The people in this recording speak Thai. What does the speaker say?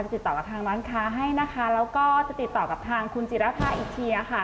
ติดต่อกับทางร้านค้าให้นะคะแล้วก็จะติดต่อกับทางคุณจิรภาอีกทีค่ะ